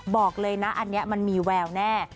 บอกเลยนะอันนี้มันมีแววแน่